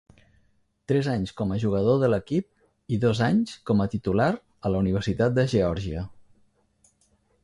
Tres anys com a jugador de l'equip i dos anys com a titular a la Universitat de Geòrgia.